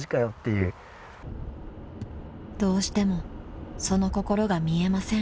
［どうしてもその心が見えません］